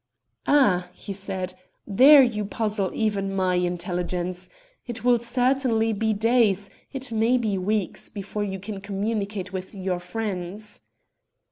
"'Ah,' he said, 'there you puzzle even my intelligence. It will certainly be days, it may be weeks, before you can communicate with your friends.'"